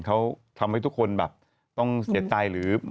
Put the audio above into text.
เขาทำให้ทุกคนแบบต้องเสียใจหรือ